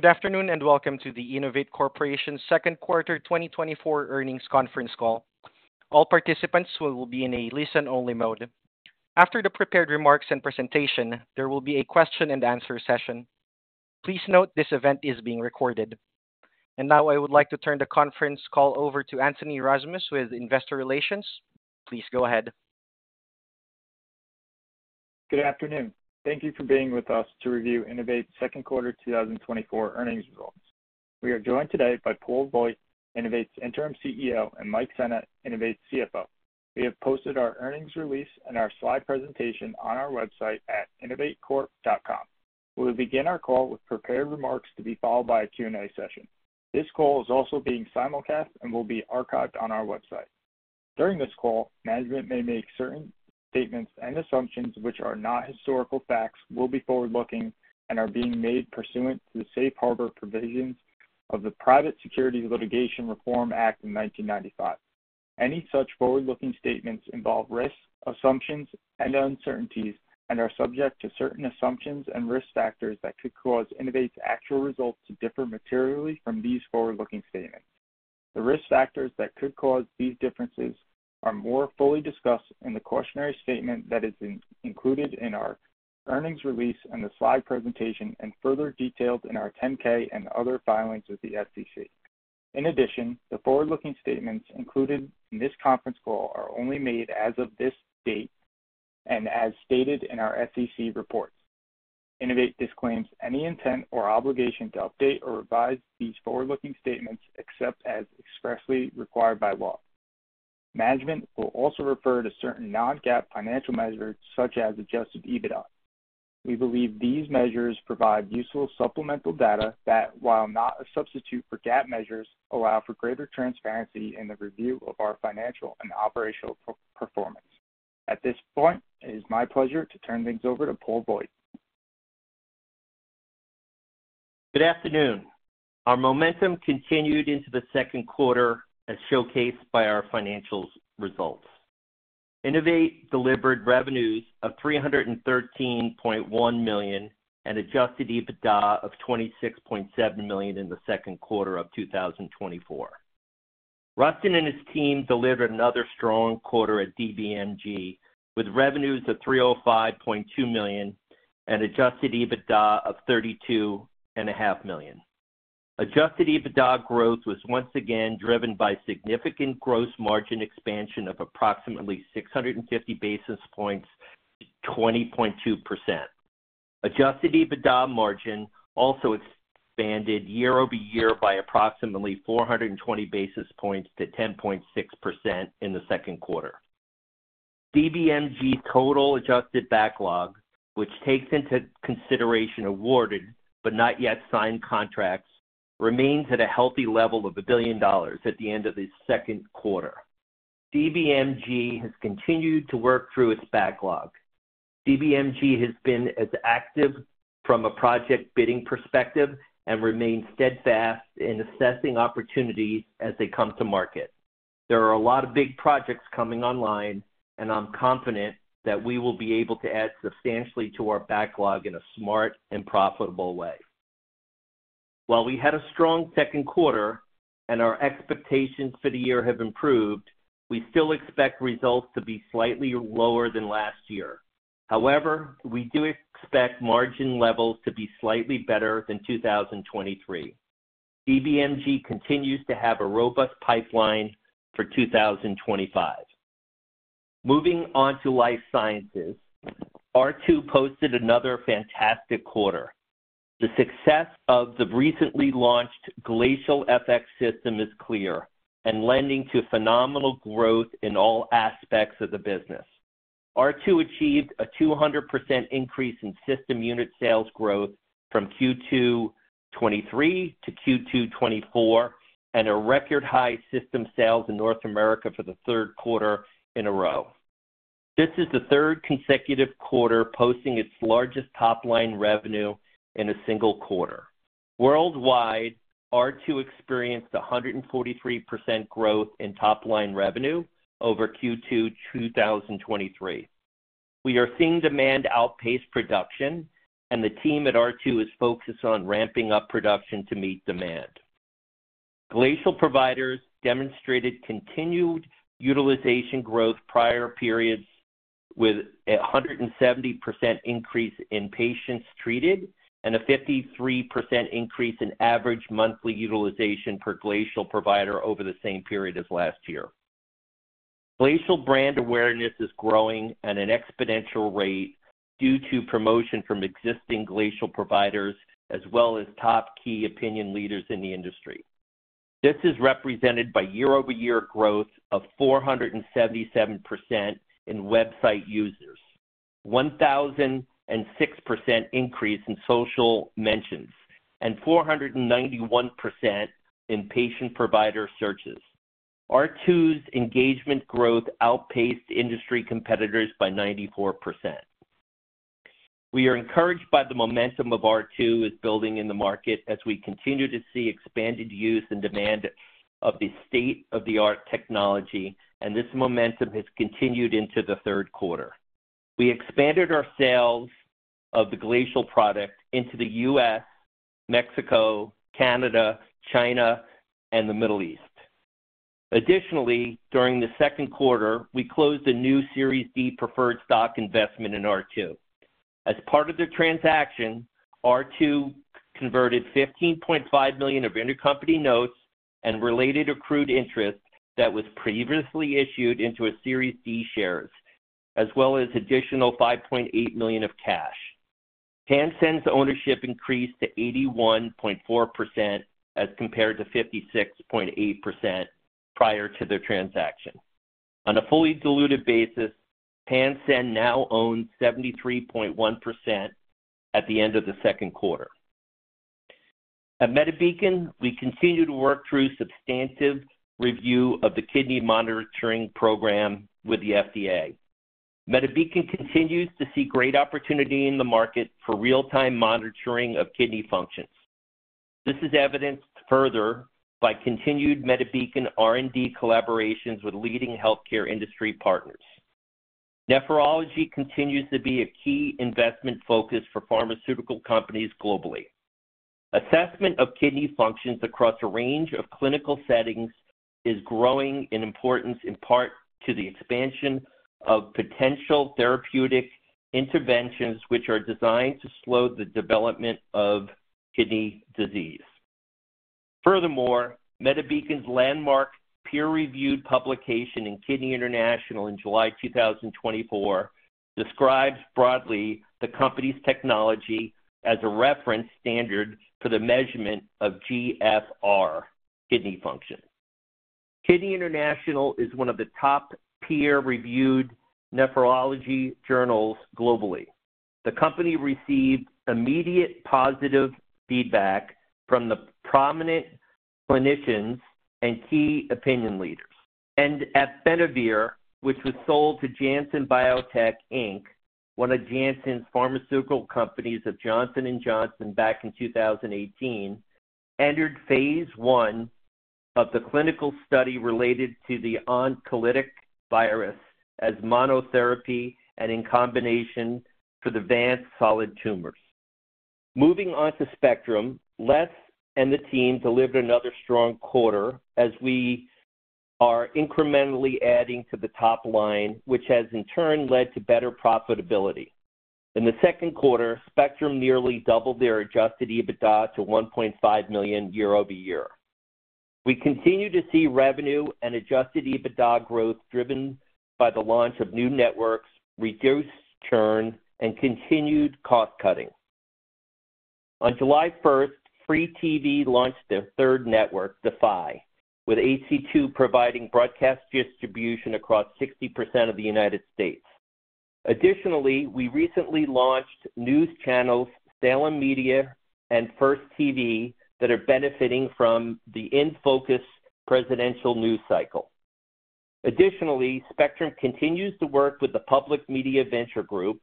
Good afternoon and welcome to the INNOVATE Corp's second quarter 2024 earnings conference call. All participants will be in a listen-only mode. After the prepared remarks and presentation, there will be a question-and-answer session. Please note this event is being recorded. Now I would like to turn the conference call over to Anthony Rozmus with Investor Relations. Please go ahead. Good afternoon. Thank you for being with us to review INNOVATE's second quarter 2024 earnings results. We are joined today by Paul Voigt, INNOVATE's Interim CEO, and Mike Sena, INNOVATE's CFO. We have posted our earnings release and our slide presentation on our website at innovatecorp.com. We will begin our call with prepared remarks to be followed by a Q&A session. This call is also being simulcast and will be archived on our website. During this call, management may make certain statements and assumptions which are not historical facts, will be forward-looking, and are being made pursuant to the safe harbor provisions of the Private Securities Litigation Reform Act of 1995. Any such forward-looking statements involve risks, assumptions, and uncertainties, and are subject to certain assumptions and risk factors that could cause INNOVATE's actual results to differ materially from these forward-looking statements. The risk factors that could cause these differences are more fully discussed in the safe harbor statement that is included in our earnings release and the slide presentation, and further detailed in our 10-K and other filings with the SEC. In addition, the forward-looking statements included in this conference call are only made as of this date and as stated in our SEC reports. INNOVATE disclaims any intent or obligation to update or revise these forward-looking statements except as expressly required by law. Management will also refer to certain non-GAAP financial measures such as Adjusted EBITDA. We believe these measures provide useful supplemental data that, while not a substitute for GAAP measures, allow for greater transparency in the review of our financial and operational performance. At this point, it is my pleasure to turn things over to Paul Voigt. Good afternoon. Our momentum continued into the second quarter, as showcased by our financial results. INNOVATE delivered revenues of $313.1 million and Adjusted EBITDA of $26.7 million in the second quarter of 2024. Rustin and his team delivered another strong quarter at DBMG with revenues of $305.2 million and Adjusted EBITDA of $32.5 million. Adjusted EBITDA growth was once again driven by significant gross margin expansion of approximately 650 basis points to 20.2%. Adjusted EBITDA margin also expanded year-over-year by approximately 420 basis points to 10.6% in the second quarter. DBMG's total adjusted backlog, which takes into consideration awarded but not yet signed contracts, remains at a healthy level of $1 billion at the end of the second quarter. DBMG has continued to work through its backlog. DBMG has been as active from a project bidding perspective and remains steadfast in assessing opportunities as they come to market. There are a lot of big projects coming online, and I'm confident that we will be able to add substantially to our backlog in a smart and profitable way. While we had a strong second quarter and our expectations for the year have improved, we still expect results to be slightly lower than last year. However, we do expect margin levels to be slightly better than 2023. DBMG continues to have a robust pipeline for 2025. Moving on to life sciences, R2 posted another fantastic quarter. The success of the recently launched Glacial fx system is clear and lending to phenomenal growth in all aspects of the business. R2 achieved a 200% increase in system unit sales growth from Q2 2023 to Q2 2024 and a record high system sales in North America for the third quarter in a row. This is the third consecutive quarter posting its largest top-line revenue in a single quarter. Worldwide, R2 experienced 143% growth in top-line revenue over Q2 2023. We are seeing demand outpace production, and the team at R2 is focused on ramping up production to meet demand. Glacial providers demonstrated continued utilization growth prior periods with a 170% increase in patients treated and a 53% increase in average monthly utilization per Glacial provider over the same period as last year. Glacial brand awareness is growing at an exponential rate due to promotion from existing Glacial providers as well as top key opinion leaders in the industry. This is represented by year-over-year growth of 477% in website users, 1,006% increase in social mentions, and 491% in patient provider searches. R2's engagement growth outpaced industry competitors by 94%. We are encouraged by the momentum of R2's building in the market as we continue to see expanded use and demand of the state-of-the-art technology, and this momentum has continued into the third quarter. We expanded our sales of the Glacial product into the U.S., Mexico, Canada, China, and the Middle East. Additionally, during the second quarter, we closed a new Series D preferred stock investment in R2. As part of the transaction, R2 converted $15.5 million of intercompany notes and related accrued interest that was previously issued into Series D shares, as well as additional $5.8 million of cash. Pansend's ownership increased to 81.4% as compared to 56.8% prior to the transaction. On a fully diluted basis, Pansend now owns 73.1% at the end of the second quarter. At MediBeacon, we continue to work through substantive review of the kidney monitoring program with the FDA. MediBeacon continues to see great opportunity in the market for real-time monitoring of kidney functions. This is evidenced further by continued MediBeacon R&D collaborations with leading healthcare industry partners. Nephrology continues to be a key investment focus for pharmaceutical companies globally. Assessment of kidney functions across a range of clinical settings is growing in importance in part to the expansion of potential therapeutic interventions which are designed to slow the development of kidney disease. Furthermore, MediBeacon's landmark peer-reviewed publication in Kidney International in July 2024 describes broadly the company's technology as a reference standard for the measurement of GFR, kidney function. Kidney International is one of the top peer-reviewed nephrology journals globally. The company received immediate positive feedback from the prominent clinicians and key opinion leaders. And at BeneVir, which was sold to Janssen Biotech, Inc, one of Janssen's pharmaceutical companies of Johnson & Johnson back in 2018, entered phase I of the clinical study related to the oncolytic virus as monotherapy and in combination for the advanced solid tumors. Moving on to Spectrum, [Les] and the team delivered another strong quarter as we are incrementally adding to the top line, which has in turn led to better profitability. In the second quarter, Spectrum nearly doubled their Adjusted EBITDA to $1.5 million year-over-year. We continue to see revenue and Adjusted EBITDA growth driven by the launch of new networks, reduced churn, and continued cost-cutting. On July 1st, FreeTV launched their third network, Defy, with HC2 providing broadcast distribution across 60% of the United States. Additionally, we recently launched news channels Salem Media and [First TV] that are benefiting from the intense presidential news cycle. Additionally, Spectrum continues to work with the Public Media Venture Group,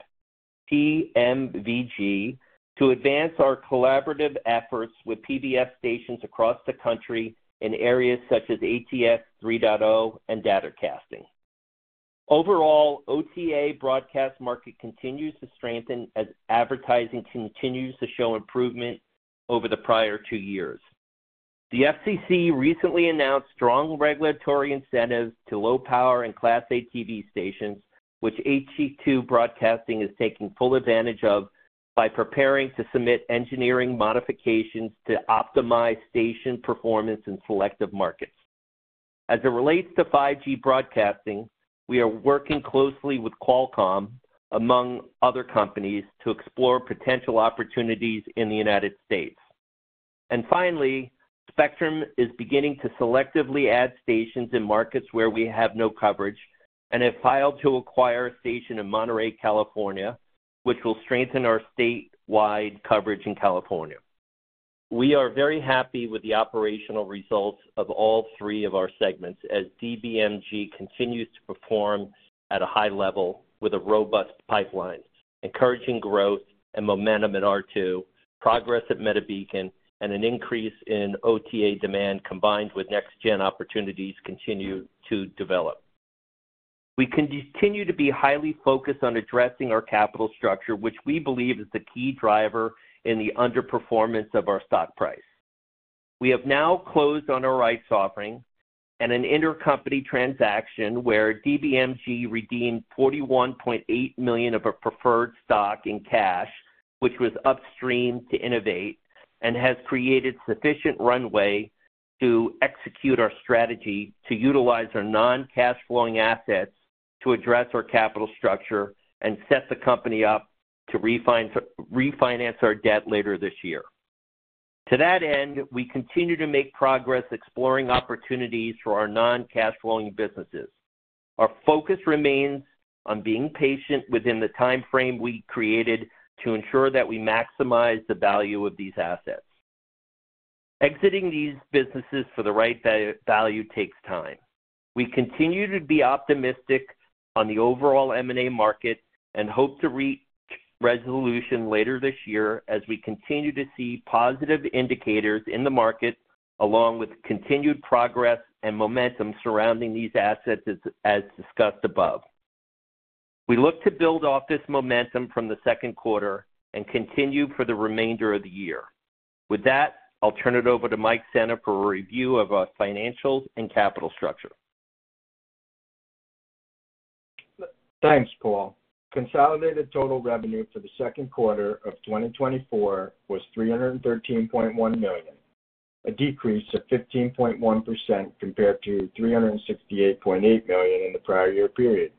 PMVG, to advance our collaborative efforts with PBS stations across the country in areas such as ATSC 3.0 and datacasting. Overall, OTA broadcast market continues to strengthen as advertising continues to show improvement over the prior two years. The FCC recently announced strong regulatory incentives to low-power and Class A TV stations, which HC2 broadcasting is taking full advantage of by preparing to submit engineering modifications to optimize station performance in selective markets. As it relates to 5G broadcasting, we are working closely with Qualcomm, among other companies, to explore potential opportunities in the United States. And finally, Spectrum is beginning to selectively add stations in markets where we have no coverage and have filed to acquire a station in Monterey, California, which will strengthen our statewide coverage in California. We are very happy with the operational results of all three of our segments as DBMG continues to perform at a high level with a robust pipeline. Encouraging growth and momentum at R2, progress at MediBeacon, and an increase in OTA demand combined with next-gen opportunities continue to develop. We continue to be highly focused on addressing our capital structure, which we believe is the key driver in the underperformance of our stock price. We have now closed on our rights offering and an intercompany transaction where DBMG redeemed $41.8 million of a preferred stock in cash, which was upstream to INNOVATE, and has created sufficient runway to execute our strategy to utilize our non-cash flowing assets to address our capital structure and set the company up to refinance our debt later this year. To that end, we continue to make progress exploring opportunities for our non-cash flowing businesses. Our focus remains on being patient within the timeframe we created to ensure that we maximize the value of these assets. Exiting these businesses for the right value takes time. We continue to be optimistic on the overall M&A market and hope to reach resolution later this year as we continue to see positive indicators in the market along with continued progress and momentum surrounding these assets as discussed above. We look to build off this momentum from the second quarter and continue for the remainder of the year. With that, I'll turn it over to Mike Sena for a review of our financials and capital structure. Thanks, Paul. Consolidated total revenue for the second quarter of 2024 was $313.1 million, a decrease of 15.1% compared to $368.8 million in the prior year period.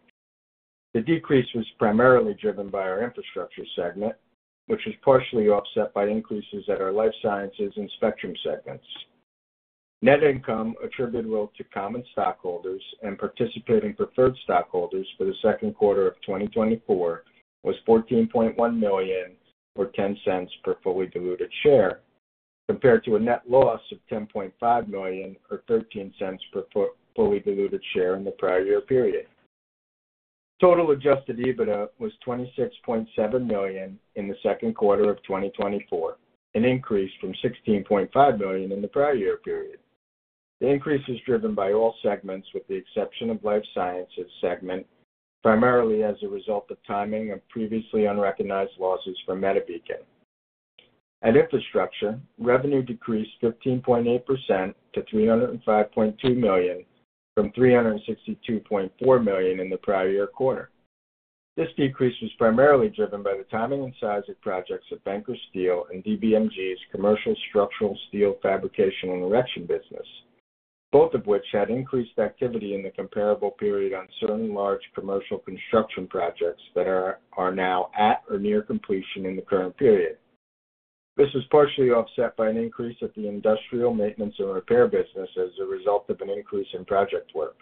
The decrease was primarily driven by our infrastructure segment, which was partially offset by increases at our life sciences and Spectrum segments. Net income attributed to common stockholders and participating preferred stockholders for the second quarter of 2024 was $14.1 million or $0.10 per fully diluted share compared to a net loss of $10.5 million or $0.13 per fully diluted share in the prior year period. Total Adjusted EBITDA was $26.7 million in the second quarter of 2024, an increase from $16.5 million in the prior year period. The increase was driven by all segments with the exception of life sciences segment, primarily as a result of timing of previously unrecognized losses from MediBeacon. At infrastructure, revenue decreased 15.8% to $305.2 million from $362.4 million in the prior year quarter. This decrease was primarily driven by the timing and size of projects of Banker Steel and DBMG's commercial structural steel fabrication and erection business, both of which had increased activity in the comparable period on certain large commercial construction projects that are now at or near completion in the current period. This was partially offset by an increase at the industrial maintenance and repair business as a result of an increase in project work.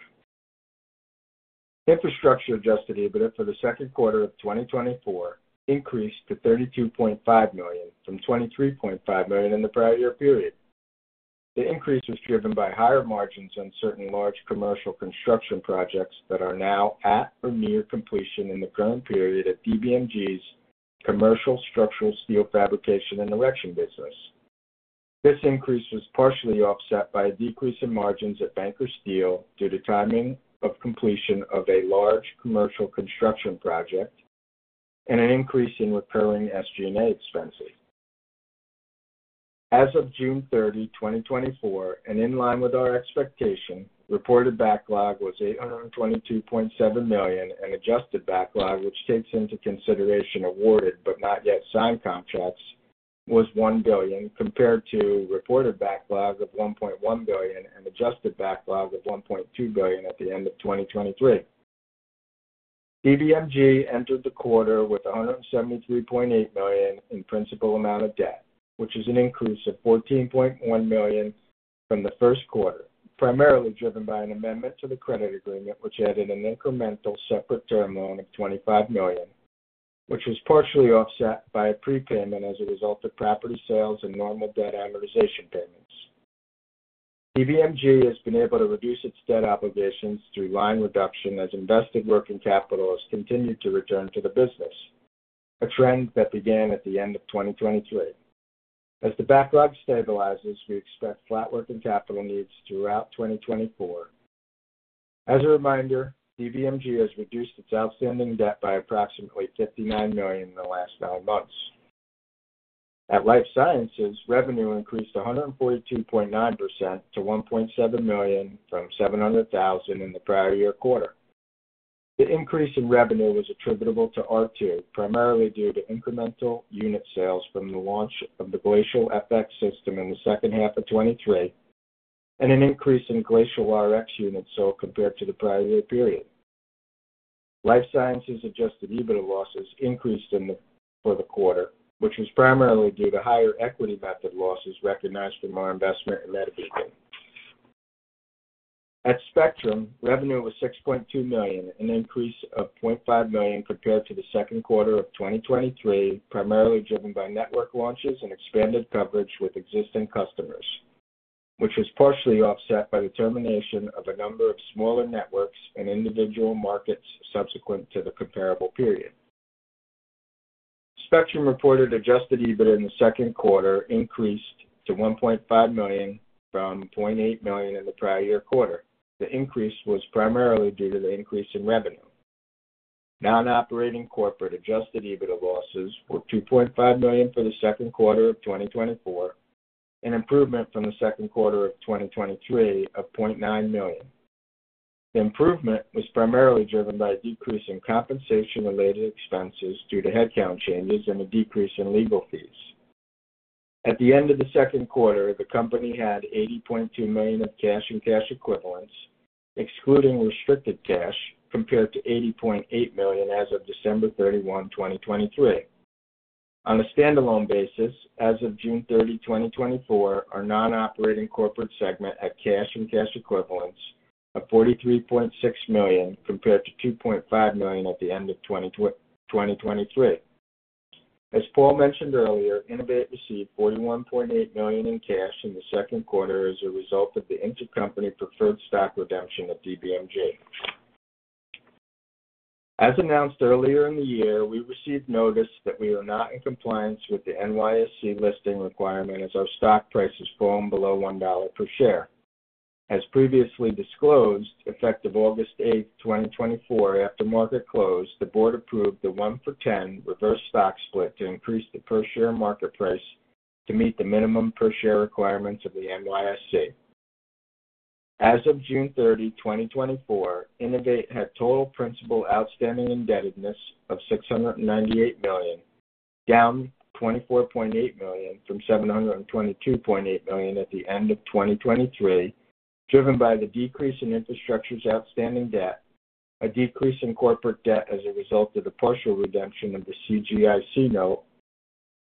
Infrastructure Adjusted EBITDA for the second quarter of 2024 increased to $32.5 million from $23.5 million in the prior year period. The increase was driven by higher margins on certain large commercial construction projects that are now at or near completion in the current period at DBMGs commercial structural steel fabrication and erection business. This increase was partially offset by a decrease in margins at Banker Steel due to timing of completion of a large commercial construction project and an increase in recurring SG&A expenses. As of June 30, 2024, and in line with our expectation, reported backlog was $822.7 million and adjusted backlog, which takes into consideration awarded but not yet signed contracts, was $1 billion compared to reported backlog of $1.1 billion and adjusted backlog of $1.2 billion at the end of 2023. DBMG entered the quarter with $173.8 million in principal amount of debt, which is an increase of $14.1 million from the first quarter, primarily driven by an amendment to the credit agreement, which added an incremental separate term loan of $25 million, which was partially offset by a prepayment as a result of property sales and normal debt amortization payments. DBMG has been able to reduce its debt obligations through line reduction as invested working capital has continued to return to the business, a trend that began at the end of 2023. As the backlog stabilizes, we expect flat working capital needs throughout 2024. As a reminder, DBMG has reduced its outstanding debt by approximately $59 million in the last nine months. At life sciences, revenue increased 142.9% to $1.7 million from $700,000 in the prior year quarter. The increase in revenue was attributable to R2, primarily due to incremental unit sales from the launch of the Glacial fx system in the second half of 2023 and an increase in Glacial Rx units sold compared to the prior year period. Life sciences Adjusted EBITDA losses increased for the quarter, which was primarily due to higher equity method losses recognized from our investment in MediBeacon. At Spectrum, revenue was $6.2 million, an increase of $0.5 million compared to the second quarter of 2023, primarily driven by network launches and expanded coverage with existing customers, which was partially offset by the termination of a number of smaller networks and individual markets subsequent to the comparable period. Spectrum reported Adjusted EBITDA in the second quarter increased to $1.5 million from $0.8 million in the prior year quarter. The increase was primarily due to the increase in revenue. Non-operating corporate Adjusted EBITDA losses were $2.5 million for the second quarter of 2024, an improvement from the second quarter of 2023 of $0.9 million. The improvement was primarily driven by a decrease in compensation-related expenses due to headcount changes and a decrease in legal fees. At the end of the second quarter, the company had $80.2 million of cash and cash equivalents, excluding restricted cash, compared to $80.8 million as of December 31, 2023. On a standalone basis, as of June 30, 2024, our non-operating corporate segment had cash and cash equivalents of $43.6 million compared to $2.5 million at the end of 2023. As Paul mentioned earlier, INNOVATE received $41.8 million in cash in the second quarter as a result of the intercompany preferred stock redemption at DBMG. As announced earlier in the year, we received notice that we are not in compliance with the NYSE listing requirement as our stock prices fall below $1 per share. As previously disclosed, effective August 8, 2024, after market close, the board approved the 1-for-10 reverse stock split to increase the per-share market price to meet the minimum per-share requirements of the NYSE. As of June 30, 2024, INNOVATE had total principal outstanding indebtedness of $698 million, down $24.8 million from $722.8 million at the end of 2023, driven by the decrease in infrastructure's outstanding debt, a decrease in corporate debt as a result of the partial redemption of the CGIC note,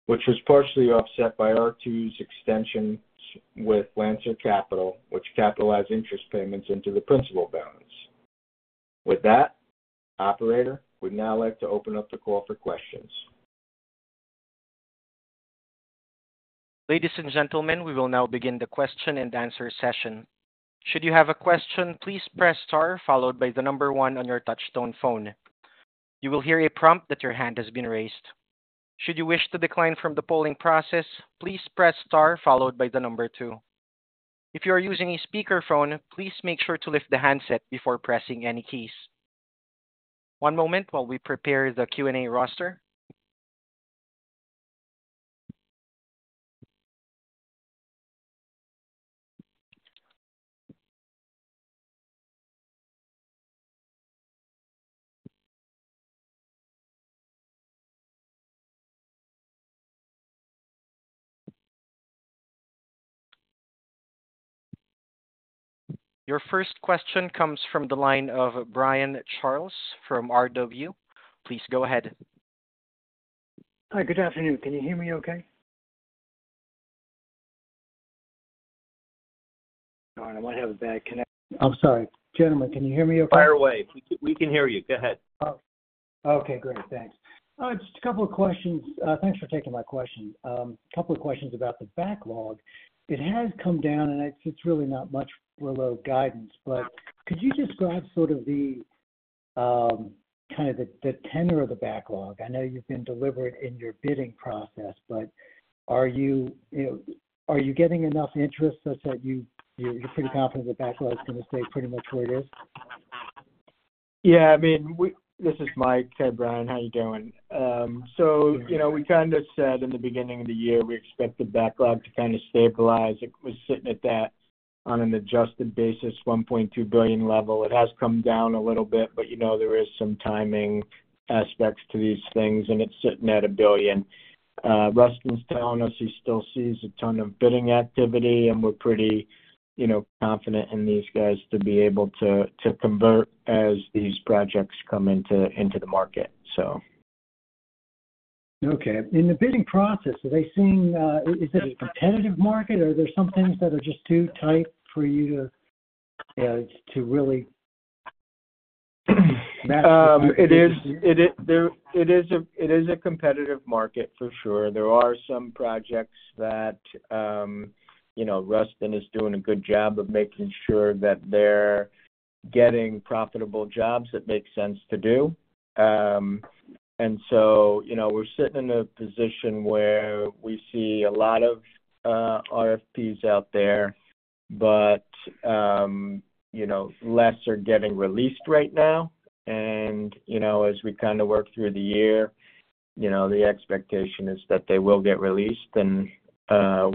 which was partially offset by R2's extensions with Lancer Capital, which capitalized interest payments into the principal balance. With that, Operator, we'd now like to open up the call for questions. Ladies and gentlemen, we will now begin the question-and-answer session. Should you have a question, please press star followed by the number one on your touch-tone phone. You will hear a prompt that your hand has been raised. Should you wish to decline from the polling process, please press star followed by the number two. If you are using a speakerphone, please make sure to lift the handset before pressing any keys. One moment while we prepare the Q&A roster. Your first question comes from the line of Brian Charles from R.W. Please go ahead. Hi, good afternoon. Can you hear me okay? All right, I might have a bad connection. I'm sorry. Gentlemen, can you hear me okay? Fire away. We can hear you. Go ahead. Oh, okay. Great. Thanks. Just a couple of questions. Thanks for taking my question. A couple of questions about the backlog. It has come down, and it's really not much below guidance, but could you describe sort of the kind of the tenor of the backlog? I know you've been deliberate in your bidding process, but are you getting enough interest such that you're pretty confident the backlog is going to stay pretty much where it is? Yeah. I mean, this is Mike, Brian. How are you doing? So we kind of said in the beginning of the year we expect the backlog to kind of stabilize. It was sitting at that on an adjusted basis, $1.2 billion level. It has come down a little bit, but there is some timing aspects to these things, and it's sitting at $1 billion. Rustin's telling us he still sees a ton of bidding activity, and we're pretty confident in these guys to be able to convert as these projects come into the market, so. Okay. In the bidding process, are they seeing is it a competitive market, or are there some things that are just too tight for you to really match? It is a competitive market for sure. There are some projects that Rustin is doing a good job of making sure that they're getting profitable jobs that make sense to do. And so we're sitting in a position where we see a lot of RFPs out there, but less are getting released right now. And as we kind of work through the year, the expectation is that they will get released, and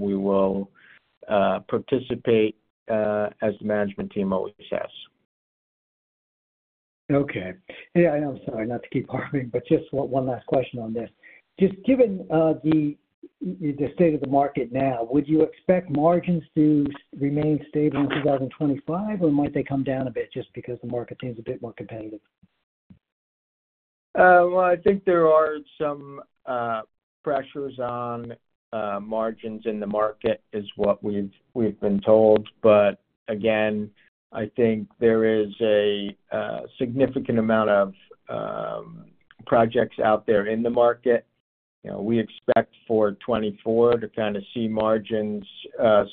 we will participate as the management team always has. Okay. And I'm sorry not to keep harping, but just one last question on this. Just given the state of the market now, would you expect margins to remain stable in 2025, or might they come down a bit just because the market seems a bit more competitive? Well, I think there are some pressures on margins in the market, is what we've been told. But again, I think there is a significant amount of projects out there in the market. We expect for 2024 to kind of see margins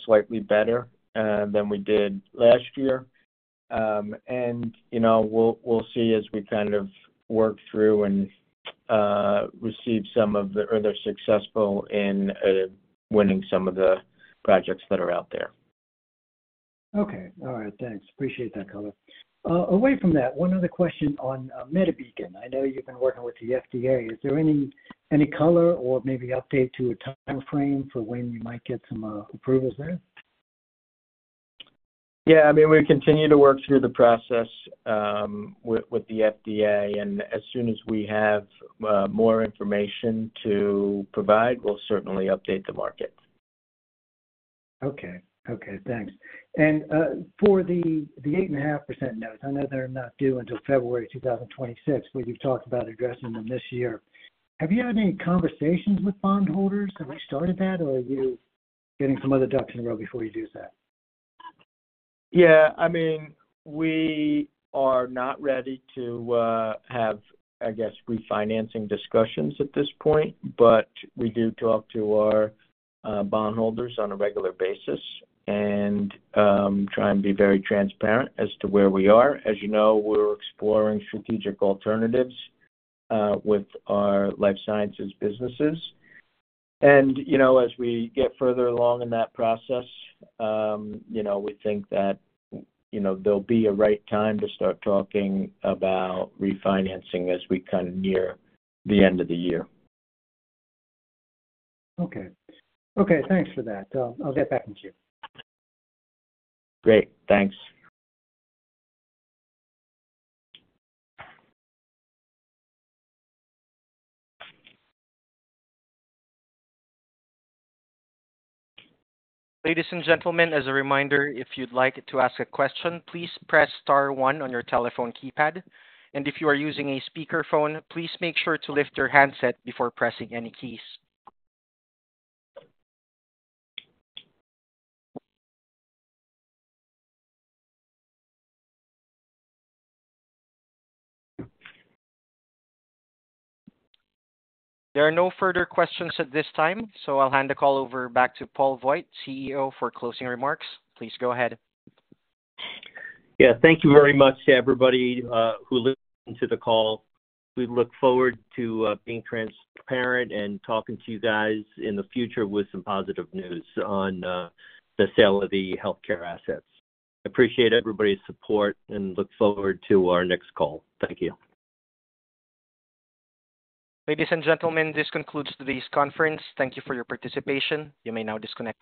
slightly better than we did last year. And we'll see as we kind of work through and receive some of the or they're successful in winning some of the projects that are out there. Okay. All right. Thanks. Appreciate that, caller. Away from that, one other question on MediBeacon. I know you've been working with the FDA. Is there any color or maybe update to a timeframe for when you might get some approvals there? Yeah. I mean, we continue to work through the process with the FDA, and as soon as we have more information to provide, we'll certainly update the market. Okay. Okay. Thanks. And for the 8.5% note, I know they're not due until February 2026, but you've talked about addressing them this year. Have you had any conversations with bondholders? Have you started that, or are you getting some other ducks in a row before you do that? Yeah. I mean, we are not ready to have, I guess, refinancing discussions at this point, but we do talk to our bondholders on a regular basis and try and be very transparent as to where we are. As you know, we're exploring strategic alternatives with our life sciences businesses. And as we get further along in that process, we think that there'll be a right time to start talking about refinancing as we kind of near the end of the year. Okay. Okay. Thanks for that. I'll get back to you. Great. Thanks. Ladies and gentlemen, as a reminder, if you'd like to ask a question, please press star one on your telephone keypad. If you are using a speakerphone, please make sure to lift your handset before pressing any keys. There are no further questions at this time, so I'll hand the call over back to Paul Voigt, CEO, for closing remarks. Please go ahead. Yeah. Thank you very much to everybody who listened to the call. We look forward to being transparent and talking to you guys in the future with some positive news on the sale of the healthcare assets. I appreciate everybody's support and look forward to our next call. Thank you. Ladies and gentlemen, this concludes today's conference. Thank you for your participation. You may now disconnect.